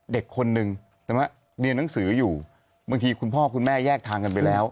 เด็กคนนึงใช่ไหมเรียนหนังสืออยู่บางทีคุณพ่อคุณแม่แยกทางกันไปแล้ว